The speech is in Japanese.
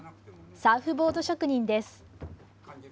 サーフボード職人です。